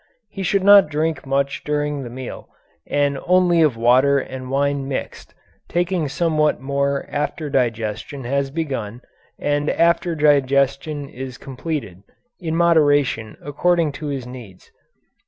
He should not drink much during the meal and only of water and wine mixed, taking somewhat more after digestion has begun and after digestion is completed, in moderation according to his needs.